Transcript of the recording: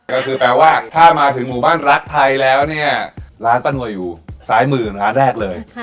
ก็คือแปลว่าถ้ามาถึงหมู่บ้านรักไทยแล้วเนี่ยร้านป้าหน่วยอยู่ซ้ายมือร้านแรกเลย